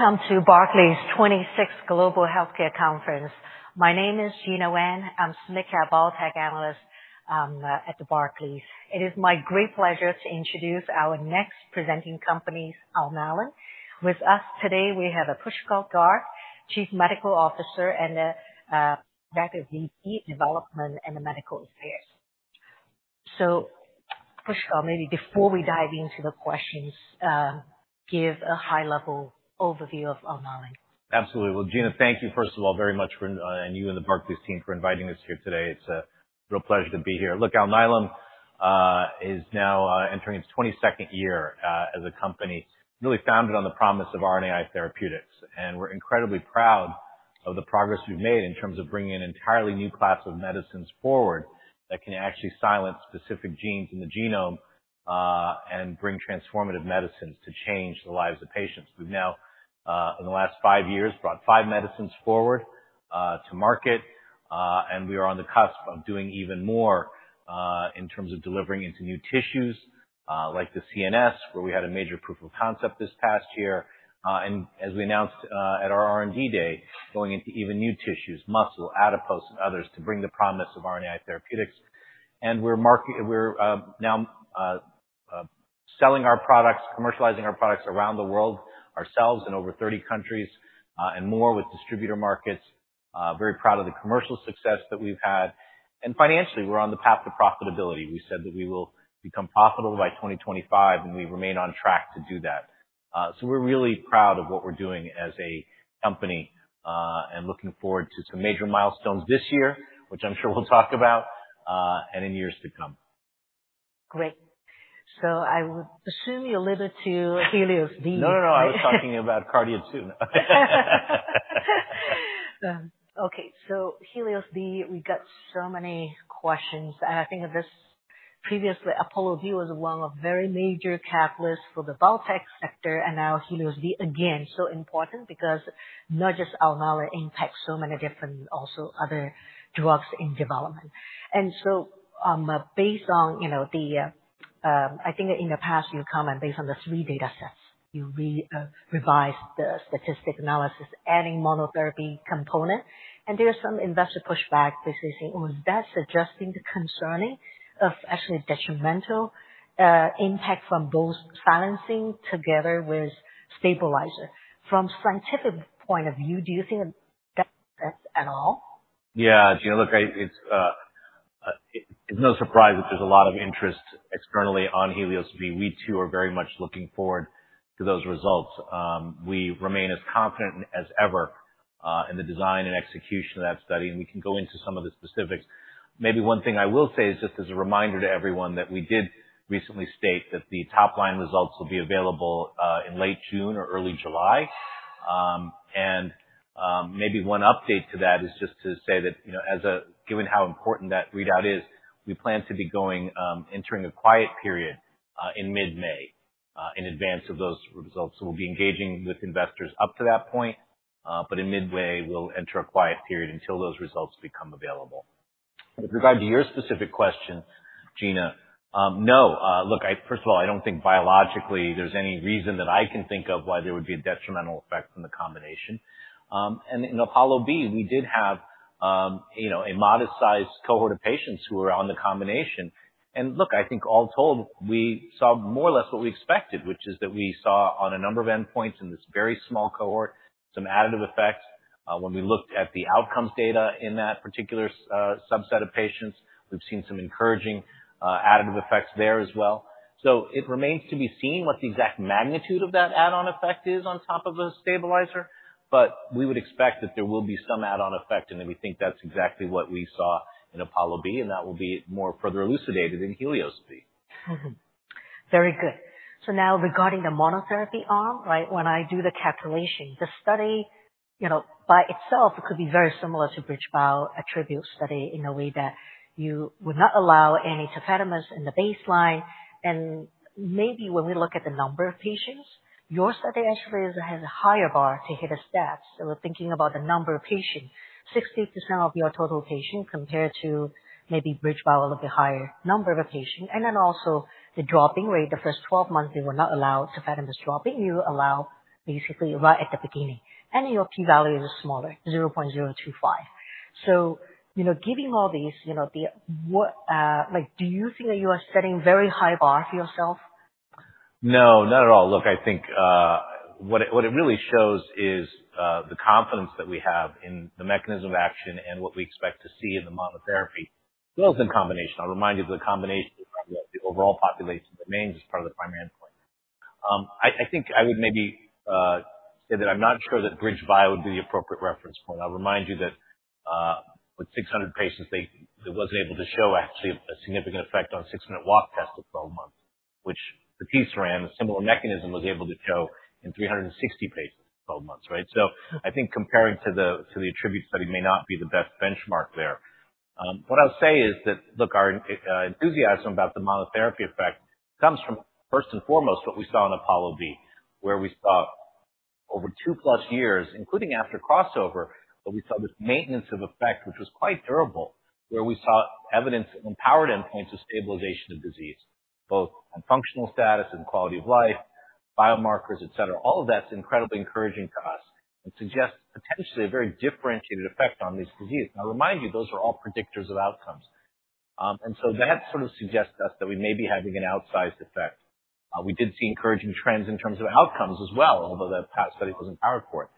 Welcome to Barclays' 26th Global Healthcare Conference. My name is Gena Wang. I'm a biotech analyst at Barclays. It is my great pleasure to introduce our next presenting company, Alnylam. With us today we have Pushkal Garg, Chief Medical Officer and EVP, Development and Medical Affairs. Pushkal, maybe before we dive into the questions, give a high-level overview of Alnylam. Absolutely. Well, Gena, thank you first of all very much for, and you and the Barclays team for inviting us here today. It's a real pleasure to be here. Look, Alnylam is now entering its 22nd year as a company, really founded on the promise of RNAi therapeutics. And we're incredibly proud of the progress we've made in terms of bringing an entirely new class of medicines forward that can actually silence specific genes in the genome, and bring transformative medicines to change the lives of patients. We've now, in the last five years, brought five medicines forward to market, and we are on the cusp of doing even more in terms of delivering into new tissues, like the CNS, where we had a major proof of concept this past year. As we announced at our R&D Day, going into even new tissues, muscle, adipose, and others to bring the promise of RNAi Therapeutics. We're now selling our products, commercializing our products around the world ourselves in over 30 countries, and more with distributor markets. Very proud of the commercial success that we've had. And financially, we're on the path to profitability. We said that we will become profitable by 2025, and we remain on track to do that. We're really proud of what we're doing as a company, and looking forward to some major milestones this year, which I'm sure we'll talk about, and in years to come. Great. So I would assume you alluded to HELIOS-B. No, no, no. I was talking about cardio too. Okay. So HELIOS-B, we got so many questions. And I think of this previously, APOLLO-B was one of very major catalysts for the biotech sector, and now HELIOS-B, again, so important because not just Alnylam, it impacts so many different, also other drugs in development. And so, based on, you know, the, I think in the past you comment based on the three data sets. You revised the statistical analysis, adding monotherapy component. And there's some investor pushback basically saying, "Oh, is that suggesting the concerning of actually detrimental, impact from both silencing together with stabilizer?" From a scientific point of view, do you think that that's at all? Yeah, Gena. Look, it's no surprise that there's a lot of interest externally on HELIOS-B. We too are very much looking forward to those results. We remain as confident as ever in the design and execution of that study, and we can go into some of the specifics. Maybe one thing I will say is just as a reminder to everyone that we did recently state that the top-line results will be available in late June or early July. Maybe one update to that is just to say that, you know, given how important that readout is, we plan to be entering a quiet period in mid-May in advance of those results. So we'll be engaging with investors up to that point, but in mid-May we'll enter a quiet period until those results become available. With regard to your specific question, Gena, no. Look, I first of all, I don't think biologically there's any reason that I can think of why there would be a detrimental effect from the combination. And in APOLLO-B, we did have, you know, a modest-sized cohort of patients who were on the combination. And look, I think all told, we saw more or less what we expected, which is that we saw on a number of endpoints in this very small cohort some additive effects. When we looked at the outcomes data in that particular subset of patients, we've seen some encouraging, additive effects there as well. It remains to be seen what the exact magnitude of that add-on effect is on top of a stabilizer, but we would expect that there will be some add-on effect, and then we think that's exactly what we saw in APOLLO-B, and that will be more further elucidated in HELIOS-B. Mm-hmm. Very good. So now regarding the monotherapy arm, right, when I do the calculation, the study, you know, by itself could be very similar to BridgeBio ATTRibute Study in a way that you would not allow any tafamidis in the baseline. And maybe when we look at the number of patients, your study actually is has a higher bar to hit a stat. So we're thinking about the number of patients, 60% of your total patients compared to maybe BridgeBio a little bit higher number of a patient. And then also the drop-in rate. The first 12 months they were not allowed tafamidis dropping, you allow basically right at the beginning. And your p-value is smaller, 0.025. So, you know, giving all these, you know, the what, like, do you think that you are setting a very high bar for yourself? No, not at all. Look, I think what it really shows is the confidence that we have in the mechanism of action and what we expect to see in the monotherapy, as well as in combination. I'll remind you that the combination of the overall population remains as part of the primary endpoint. I think I would maybe say that I'm not sure that BridgeBio would be the appropriate reference point. I'll remind you that, with 600 patients, it wasn't able to show actually a significant effect on a six-minute walk test of 12 months, which vutrisiran, a similar mechanism, was able to show in 360 patients in 12 months, right? So I think comparing to the ATTRibute Study may not be the best benchmark there. What I'll say is that, look, our enthusiasm about the monotherapy effect comes from first and foremost what we saw in APOLLO-B, where we saw over 2+ years, including after crossover, that we saw this maintenance of effect which was quite durable, where we saw evidence of empowered endpoints of stabilization of disease, both on functional status and quality of life, biomarkers, etc. All of that's incredibly encouraging to us and suggests potentially a very differentiated effect on these diseases. Now, I'll remind you, those are all predictors of outcomes, and so that sort of suggests to us that we may be having an outsized effect. We did see encouraging trends in terms of outcomes as well, although that past study wasn't powered for it.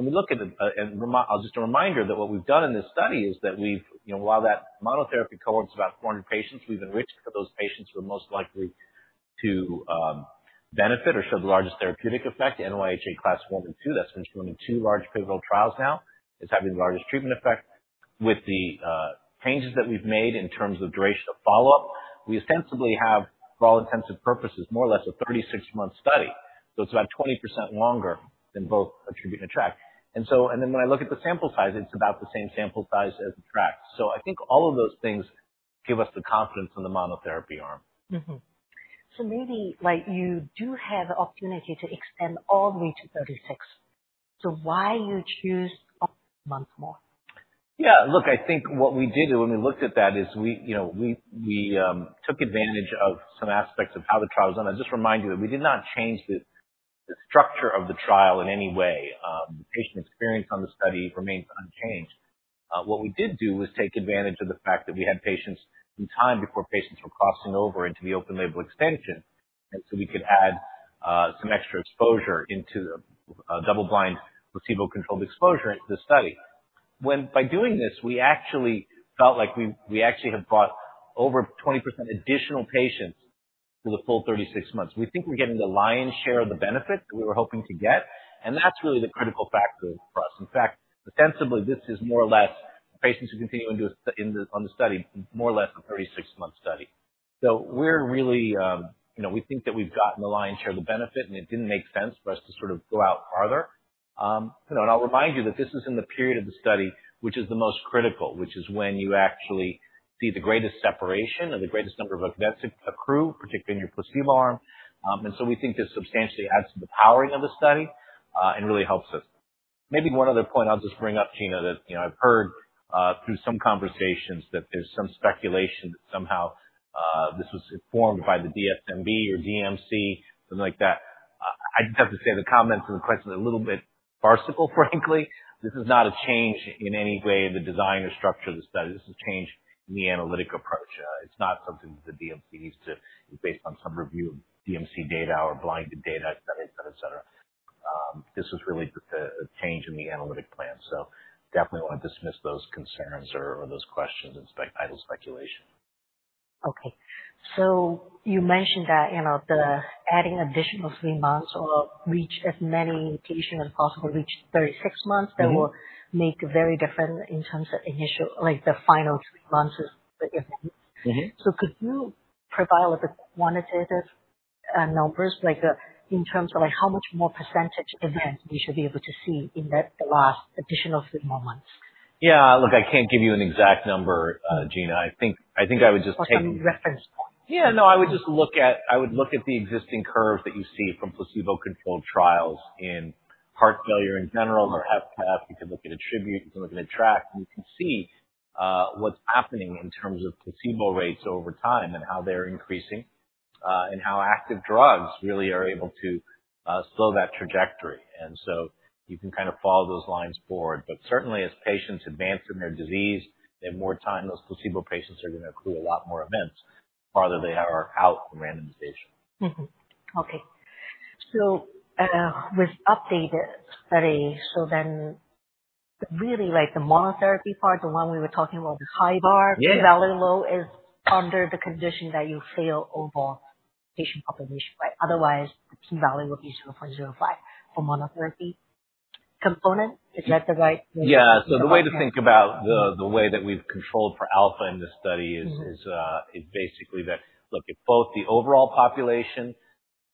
When we look at it, and, um, I'll just as a reminder that what we've done in this study is that we've, you know, while that monotherapy cohort's about 400 patients, we've enriched for those patients who are most likely to benefit or show the largest therapeutic effect. NYHA Class I and II, that's been shown in two large pivotal trials now, is having the largest treatment effect. With the changes that we've made in terms of duration of follow-up, we ostensibly have, for all intents and purposes, more or less a 36-month study. So it's about 20% longer than both ATTRibute and ATTR-ACT. And so and then when I look at the sample size, it's about the same sample size as ATTRACT. So I think all of those things give us the confidence in the monotherapy arm. Mm-hmm. So maybe, like, you do have the opportunity to extend all the way to 36. So why you choose one month more? Yeah. Look, I think what we did when we looked at that is we, you know, took advantage of some aspects of how the trial was done. I'll just remind you that we did not change the structure of the trial in any way. The patient experience on the study remains unchanged. What we did do was take advantage of the fact that we had patients in time before patients were crossing over into the open-label extension, and so we could add some extra exposure into the double-blind placebo-controlled exposure in the study. When by doing this, we actually felt like we actually have brought over 20% additional patients to the full 36 months. We think we're getting the lion's share of the benefit that we were hoping to get, and that's really the critical factor for us. In fact, ostensibly, this is more or less patients who continue into the study, more or less a 36-month study. So we're really, you know, we think that we've gotten the lion's share of the benefit, and it didn't make sense for us to sort of go out farther, you know. And I'll remind you that this is in the period of the study which is the most critical, which is when you actually see the greatest separation or the greatest number of events occur, particularly in your placebo arm. And so we think this substantially adds to the powering of the study, and really helps us. Maybe one other point I'll just bring up, Gena, that, you know, I've heard, through some conversations that there's some speculation that somehow, this was informed by the DSMB or DMC, something like that. I just have to say the comments and the questions are a little bit farcical, frankly. This is not a change in any way in the design or structure of the study. This is a change in the analytic approach. It's not something that the DMC needs to is based on some review of DMC data or blinded data, etc., etc., etc. This was really just a change in the analytic plan. So definitely want to dismiss those concerns or those questions and idle speculation. Okay. So you mentioned that, you know, the adding additional 3 months or reach as many patients as possible, reach 36 months, that will make a very big difference in terms of initial like, the final 3 months is the event. Mm-hmm. Could you provide a little bit quantitative, numbers, like, in terms of, like, how much more percentage events we should be able to see in that the last additional 3 more months? Yeah. Look, I can't give you an exact number, Gena. I think I would just take. Or some reference point. Yeah. No, I would just look at the existing curves that you see from placebo-controlled trials in heart failure in general or HFrEF/HFpEF. You can look at ATTRibute. You can look at ATTRACT. And you can see what's happening in terms of placebo rates over time and how they're increasing, and how active drugs really are able to slow that trajectory. And so you can kind of follow those lines forward. But certainly, as patients advance in their disease, they have more time; those placebo patients are going to accrue a lot more events the farther they are out from randomization. Mm-hmm. Okay. So, with updated study, so then really, like, the monotherapy part, the one we were talking about, the high bar. Yes. P-value low is under the condition that you fail overall patient population, right? Otherwise, the p-value would be 0.05 for monotherapy component. Is that right? Yeah. So the way to think about the way that we've controlled for alpha in this study is basically that, look, if both the overall population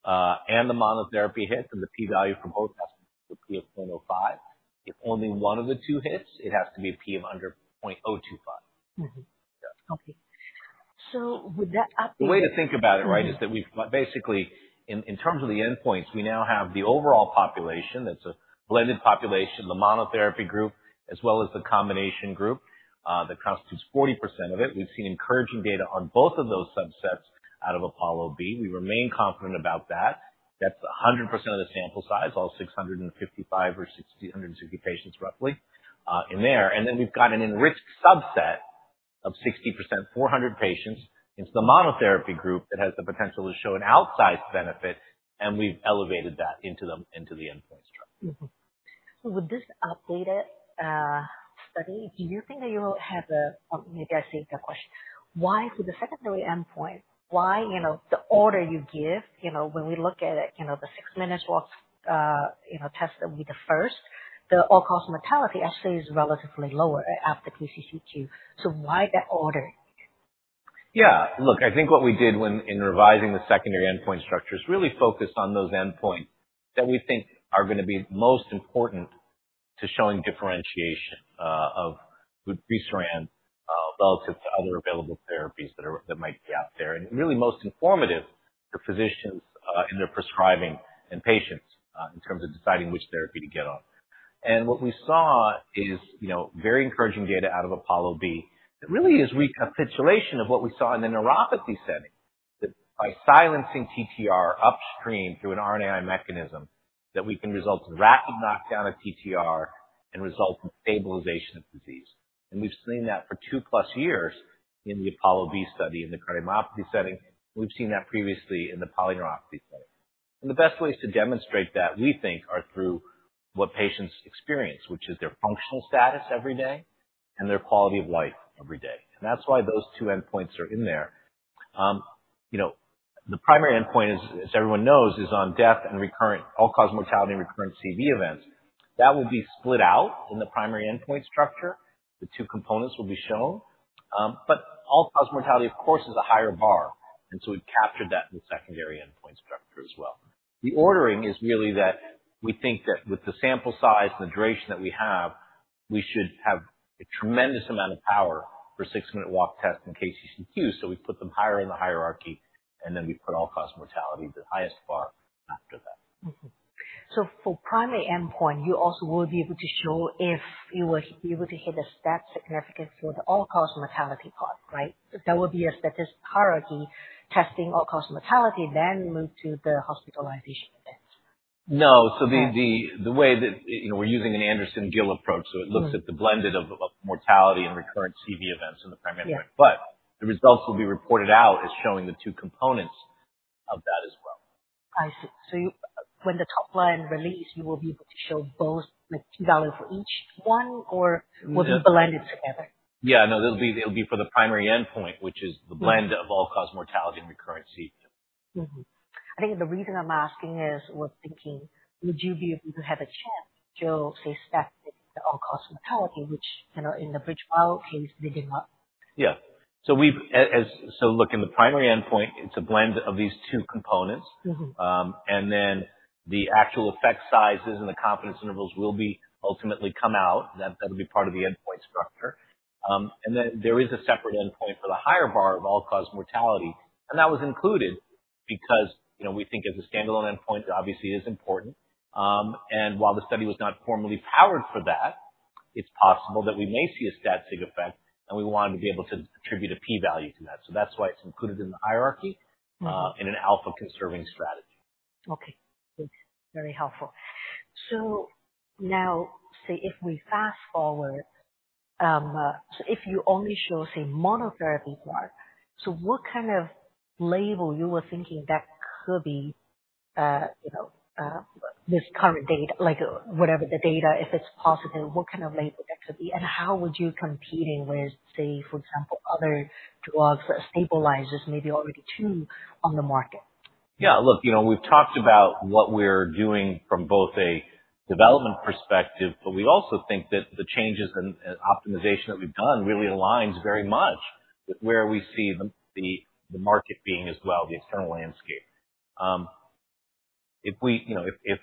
and the monotherapy hit, then the p-value for both has to be p of 0.05. If only one of the two hits, it has to be p of under 0.025. Mm-hmm. Yeah. Okay. So would that update? The way to think about it, right, is that we've basically, in terms of the endpoints, we now have the overall population. That's a blended population, the monotherapy group, as well as the combination group, that constitutes 40% of it. We've seen encouraging data on both of those subsets out of APOLLO-B. We remain confident about that. That's 100% of the sample size, all 655 or 60,160 patients, roughly, in there. And then we've got an enriched subset of 60%, 400 patients. It's the monotherapy group that has the potential to show an outsized benefit, and we've elevated that into the endpoints trial. Mm-hmm. So would this updated study do you think that you will have a, oh, maybe I saved that question. Why for the secondary endpoint, why, you know, the order you give, you know, when we look at it, you know, the six-minute walk, you know, test that we the first, the all-cause mortality actually is relatively lower after KCCQ. So why that order? Yeah. Look, I think what we did when in revising the secondary endpoint structure is really focused on those endpoints that we think are going to be most important to showing differentiation, of with vutrisiran, relative to other available therapies that might be out there. And really most informative for physicians, in their prescribing and patients, in terms of deciding which therapy to get on. And what we saw is, you know, very encouraging data out of APOLLO-B that really is recapitulation of what we saw in the neuropathy setting, that by silencing TTR upstream through an RNAi mechanism, that we can result in rapid knockdown of TTR and result in stabilization of disease. And we've seen that for 2+ years in the APOLLO-B study in the cardiomyopathy setting. We've seen that previously in the polyneuropathy setting. And the best ways to demonstrate that, we think, are through what patients experience, which is their functional status every day and their quality of life every day. And that's why those two endpoints are in there. You know, the primary endpoint is, as everyone knows, is on death and recurrent all-cause mortality and recurrent CV events. That will be split out in the primary endpoint structure. The two components will be shown. But all-cause mortality, of course, is a higher bar, and so we've captured that in the secondary endpoint structure as well. The ordering is really that we think that with the sample size and the duration that we have, we should have a tremendous amount of power for 6-minute walk test and KCCQ, so we put them higher in the hierarchy, and then we put all-cause mortality, the highest bar, after that. Mm-hmm. So for primary endpoint, you also will be able to show if you were able to hit a statistical significance for the all-cause mortality part, right? That would be a statistical hierarchy, testing all-cause mortality, then move to the hospitalization events. No. So the way that, you know, we're using an Anderson-Gill approach, so it looks at the blended of mortality and recurrent CV events in the primary endpoint. But the results will be reported out as showing the two components of that as well. I see. So, when the top line release, you will be able to show both, like, p-value for each one, or will be blended together? Yeah. No, it'll be for the primary endpoint, which is the blend of all-cause mortality and recurrent CV. Mm-hmm. I think the reason I'm asking is we're thinking, would you be able to have a chance to show, say, stat the all-cause mortality, which, you know, in the BridgeBio case, they did not? Yeah. So, look, in the primary endpoint, it's a blend of these two components. Mm-hmm. The actual effect sizes and the confidence intervals will ultimately come out. That, that'll be part of the endpoint structure. Then there is a separate endpoint for the higher bar of all-cause mortality, and that was included because, you know, we think as a standalone endpoint, it obviously is important. While the study was not formally powered for that, it's possible that we may see a stat-sig effect, and we wanted to be able to attribute a p-value to that. So that's why it's included in the hierarchy, in an alpha-conserving strategy. Okay. Very helpful. So now, say, if we fast-forward, so if you only show, say, monotherapy part, so what kind of label you were thinking that could be, you know, this current data, like, whatever the data, if it's positive, what kind of label that could be? And how would you be competing with, say, for example, other drugs, stabilizers, maybe already two on the market? Yeah. Look, you know, we've talked about what we're doing from both a development perspective, but we also think that the changes and optimization that we've done really aligns very much with where we see the market being as well, the external landscape. If we, you know, if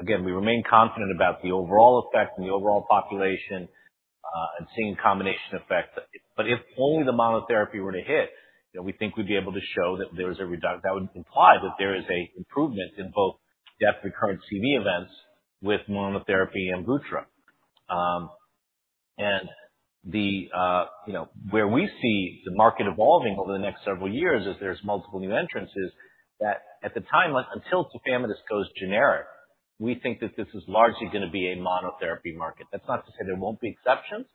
again, we remain confident about the overall effect and the overall population, and seeing combination effect, but if only the monotherapy were to hit, you know, we think we'd be able to show that there is a reduction that would imply that there is an improvement in both death, recurrent CV events with monotherapy and Amvuttra. And, you know, where we see the market evolving over the next several years is there's multiple new entrants, that at the time, until Tafamidis goes generic, we think that this is largely going to be a monotherapy market. That's not to say there won't be exceptions.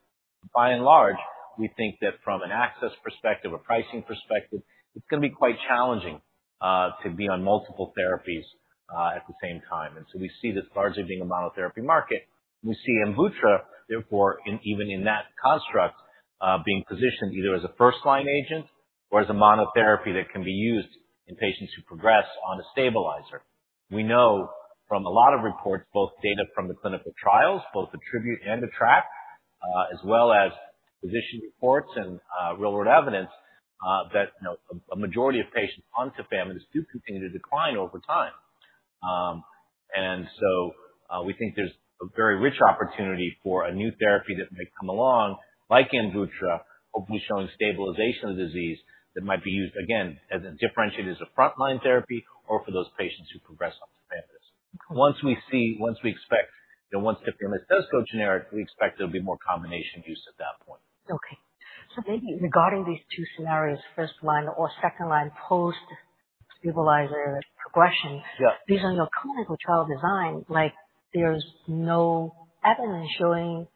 By and large, we think that from an access perspective, a pricing perspective, it's going to be quite challenging to be on multiple therapies at the same time. And so we see this largely being a monotherapy market. We see AMVUTTRA, therefore, in, even in that construct, being positioned either as a first-line agent or as a monotherapy that can be used in patients who progress on a stabilizer. We know from a lot of reports, both data from the clinical trials, both ATTRibute and ATTR-ACT. Mm-hmm. as well as physician reports and real-world evidence, that, you know, a majority of patients on tafamidis do continue to decline over time. And so, we think there's a very rich opportunity for a new therapy that might come along, like AMVUTTRA, hopefully showing stabilization of disease that might be used, again, as a differentiated, as a front-line therapy or for those patients who progress on tafamidis. Once we expect, you know, once tafamidis does go generic, we expect there'll be more combination use at that point. Okay. So maybe regarding these two scenarios, first-line or second-line post-stabilizer progression. Yeah. Based on your clinical trial design, like, there's no evidence showing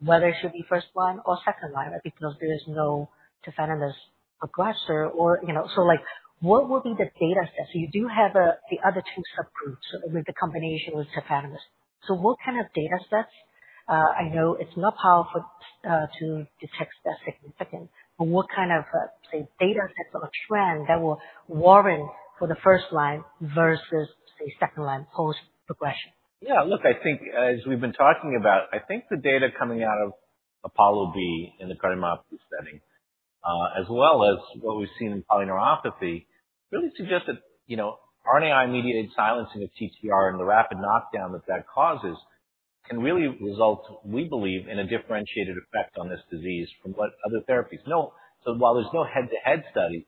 whether it should be first-line or second-line, right, because there is no tafamidis progressor or, you know, so, like, what will be the data sets? You do have the other two subgroups, with the combination with tafamidis. So what kind of data sets? I know it's not powerful, to detect stat significance, but what kind of, say, data sets or trend that will warrant for the first-line versus, say, second-line post-progression? Yeah. Look, I think, as we've been talking about, I think the data coming out of APOLLO-B in the cardiomyopathy setting, as well as what we've seen in polyneuropathy, really suggests that, you know, RNAi-mediated silencing of TTR and the rapid knockdown that that causes can really result, we believe, in a differentiated effect on this disease from what other therapies know. So while there's no head-to-head study,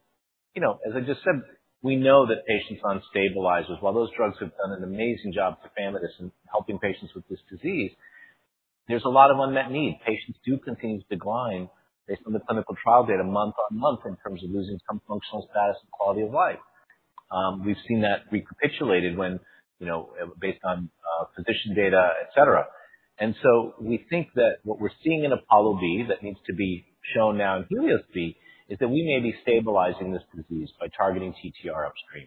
you know, as I just said, we know that patients on stabilizers, while those drugs have done an amazing job with tafamidis in helping patients with this disease, there's a lot of unmet need. Patients do continue to decline based on the clinical trial data month on month in terms of losing some functional status and quality of life. We've seen that recapitulated when, you know, based on, physician data, etc. So we think that what we're seeing in APOLLO-B that needs to be shown now in HELIOS-B is that we may be stabilizing this disease by targeting TTR upstream.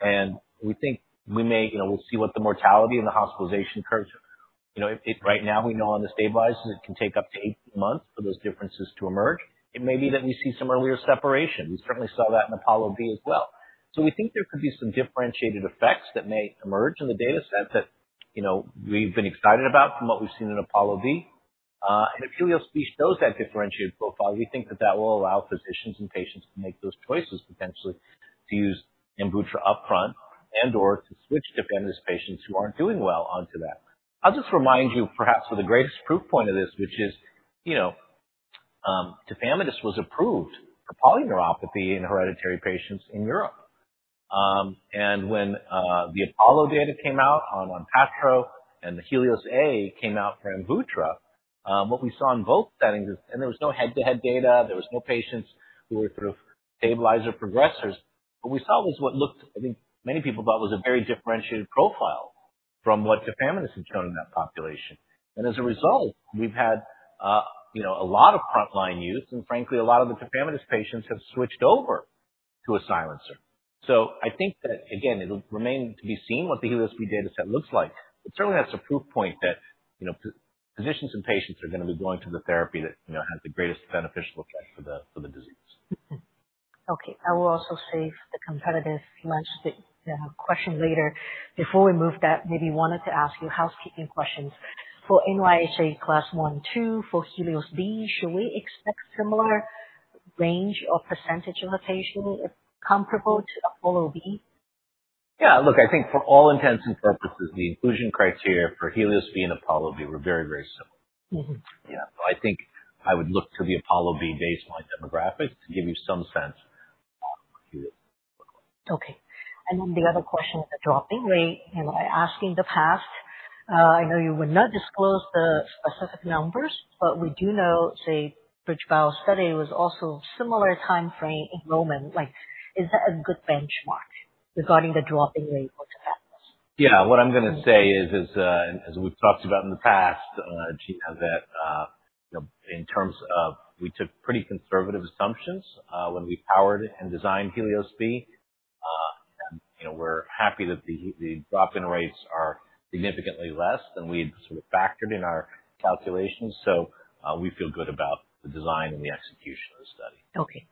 And we think we may, you know, we'll see what the mortality and the hospitalization curves, you know, it right now, we know on the stabilizers, it can take up to 18 months for those differences to emerge. It may be that we see some earlier separation. We certainly saw that in APOLLO-B as well. So we think there could be some differentiated effects that may emerge in the data set that, you know, we've been excited about from what we've seen in APOLLO-B. And if HELIOS-B shows that differentiated profile, we think that that will allow physicians and patients to make those choices, potentially, to use AMVUTTRA upfront and/or to switch tafamidis patients who aren't doing well onto that. I'll just remind you, perhaps, of the greatest proof point of this, which is, you know, tafamidis was approved for polyneuropathy in hereditary patients in Europe. When the APOLLO data came out on ONPATTRO and the HELIOS-A came out for AMVUTTRA, what we saw in both settings is and there was no head-to-head data. There was no patients who were sort of stabilizer progressors. What we saw was what looked, I think, many people thought was a very differentiated profile from what tafamidis had shown in that population. As a result, we've had, you know, a lot of front-line use, and frankly, a lot of the tafamidis patients have switched over to a silencer. So I think that, again, it'll remain to be seen what the HELIOS-B data set looks like. It certainly has to proof point that, you know, physicians and patients are going to be going to the therapy that, you know, has the greatest beneficial effect for the disease. Okay. I will also save the competitive landscape, the question later. Before we move that, maybe wanted to ask you housekeeping questions. For NYHA Class 1, 2, for HELIOS-B, should we expect similar range or percentage of inclusion comparable to APOLLO-B? Yeah. Look, I think for all intents and purposes, the inclusion criteria for HELIOS-B and APOLLO-B were very, very similar. Mm-hmm. Yeah. So I think I would look to the APOLLO-B baseline demographics to give you some sense, what HELIOS-B would look like. Okay. And then the other question is the dropout rate, you know, as in the past. I know you will not disclose the specific numbers, but we do know, say, APOLLO-B study was also similar time frame enrollment. Like, is that a good benchmark regarding the dropout rate for tafamidis? Yeah. What I'm going to say is, as we've talked about in the past, Gena, that, you know, in terms of we took pretty conservative assumptions, when we powered and designed HELIOS-B. And, you know, we're happy that the dropout rates are significantly less than we had sort of factored in our calculations, so, we feel good about the design and the execution of the study. Okay.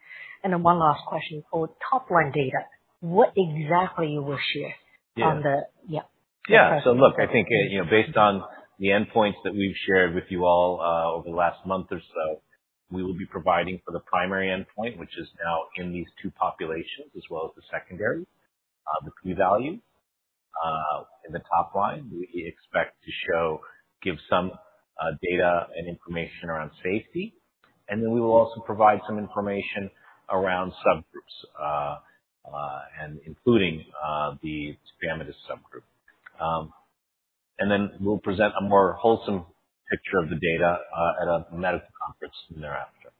And then one last question. For top-line data, what exactly will we share on the? Yeah. Yeah. Yeah. So look, I think, you know, based on the endpoints that we've shared with you all, over the last month or so, we will be providing for the primary endpoint, which is now in these two populations, as well as the secondary, the p-value. In the top line, we expect to show give some data and information around safety. And then we will also provide some information around subgroups, and including the tafamidis subgroup. And then we'll present a more whole picture of the data at a medical conference thereafter.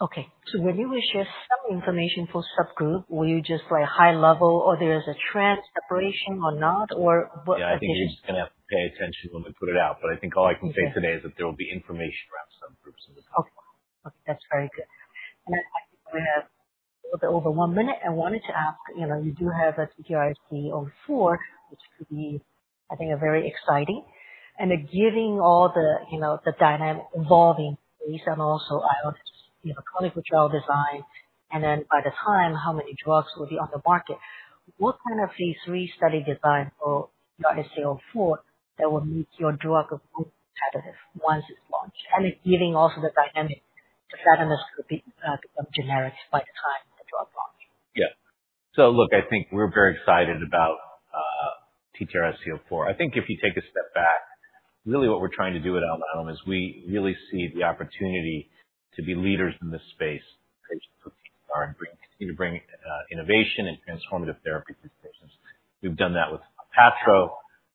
Okay. So when you will share some information for subgroup, will you just, like, high level, or there is a trend separation or not, or what addition? Yeah. I think we're just going to have to pay attention when we put it out. But I think all I can say today is that there will be information around subgroups in the top line. Okay. Okay. That's very good. And I think we have a little bit over one minute. I wanted to ask, you know, you do have an ALN-TTRSC04, which could be, I think, very exciting. And then giving all the, you know, the dynamic evolving base and also hATTR, you know, clinical trial design, and then by the time, how many drugs will be on the market, what kind of, say, three-study design for ALN-TTRSC04 that will make your drug competitive once it's launched? And then giving also the dynamic tafamidis could be, become generic by the time the drug launches. Yeah. So look, I think we're very excited about ALN-TTRSC04. I think if you take a step back, really what we're trying to do at Alnylam is we really see the opportunity to be leaders in this space, TTR proteins, and continue to bring innovation and transformative therapy to these patients. We've done that with ONPATTRO,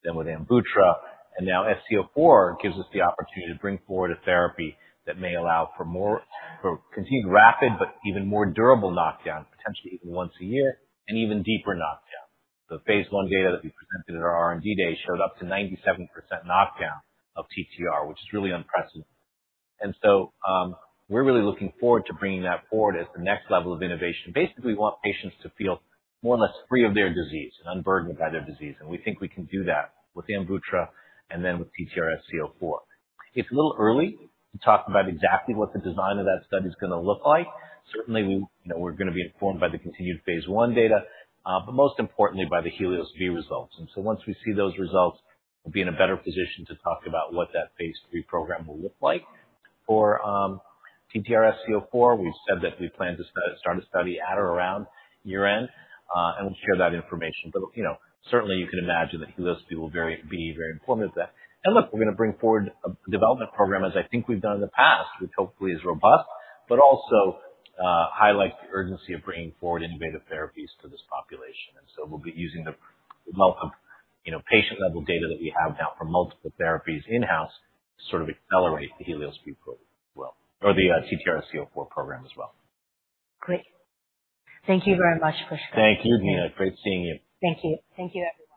then with AMVUTTRA, and now ALN-TTRSC04 gives us the opportunity to bring forward a therapy that may allow for more for continued rapid but even more durable knockdown, potentially even once a year, and even deeper knockdown. The phase 1 data that we presented at our R&D day showed up to 97% knockdown of TTR, which is really unprecedented. And so, we're really looking forward to bringing that forward as the next level of innovation. Basically, we want patients to feel more or less free of their disease and unburdened by their disease. We think we can do that with AMVUTTRA and then with ALN-TTRSC04. It's a little early to talk about exactly what the design of that study's going to look like. Certainly, we, you know, we're going to be informed by the continued phase one data, but most importantly, by the HELIOS-B results. So once we see those results, we'll be in a better position to talk about what that phase three program will look like. For ALN-TTRSC04, we've said that we plan to start a study at or around year-end, and we'll share that information. But, you know, certainly, you can imagine that HELIOS-B will be very informative to that. And look, we're going to bring forward a development program, as I think we've done in the past, which hopefully is robust, but also, highlights the urgency of bringing forward innovative therapies to this population. And so we'll be using the wealth of, you know, patient-level data that we have now from multiple therapies in-house to sort of accelerate the HELIOS-B program as well or the, ALN-TTRSC04 program as well. Great. Thank you very much, Pushkal. Thank you, Gena. Great seeing you. Thank you. Thank you, everyone.